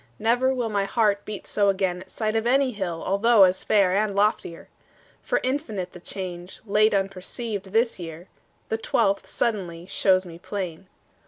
Never will My heart beat so again at sight Of any hill although as fair And loftier. For infinite The change, late unperceived, this year, The twelfth, suddenly, shows me plain.